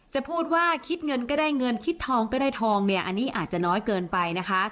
จะพูดว่าคิดเงินก็ได้เงินคิดทองก็ได้ทองเนี่ยอันนี้อาจจะน้อยเกินไปนะคะ